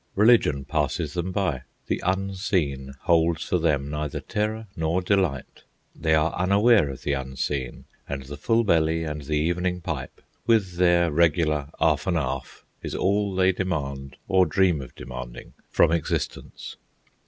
Religion passes them by. The Unseen holds for them neither terror nor delight. They are unaware of the Unseen; and the full belly and the evening pipe, with their regular "arf an' arf," is all they demand, or dream of demanding, from existence.